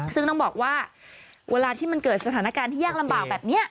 ซึ่งต้องบอกว่าเวลาที่มันเกิดสถานการณ์ที่ยากลำบากแบบนี้